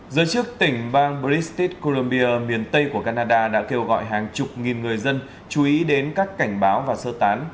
giới chức tỉnh bang bristit columbia miền tây của canada đã kêu gọi hàng chục nghìn người dân chú ý đến các cảnh báo và sơ tán